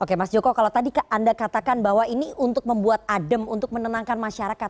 oke mas joko kalau tadi anda katakan bahwa ini untuk membuat adem untuk menenangkan masyarakat